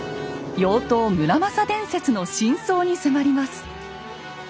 「妖刀村正伝説」の真相に迫ります。